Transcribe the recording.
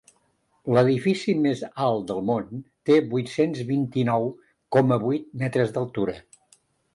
L'edifici més alt del món té vuit-cents vint-i-nou coma vuit metres d'altura.